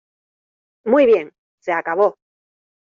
¡ Muy bien, se acabó!